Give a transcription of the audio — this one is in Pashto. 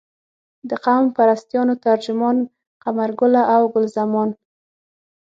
د قوم پرستانو ترجمان قمرګله او ګل زمان.